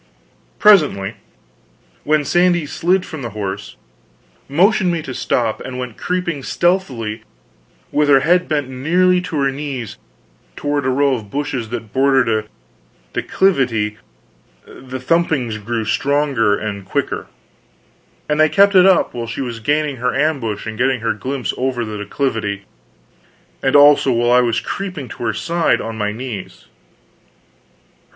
Presently, when Sandy slid from the horse, motioned me to stop, and went creeping stealthily, with her head bent nearly to her knees, toward a row of bushes that bordered a declivity, the thumpings grew stronger and quicker. And they kept it up while she was gaining her ambush and getting her glimpse over the declivity; and also while I was creeping to her side on my knees.